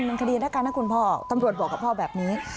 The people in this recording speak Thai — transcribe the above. แล้วก็เป็นมันคดีแล้วกันนะคุณพ่อตำรวจบอกพ่อแบบนี้